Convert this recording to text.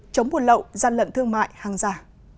chống buồn lậu gian lận thương mại hàng giả